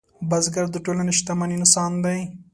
بزګر د ټولنې شتمن انسان دی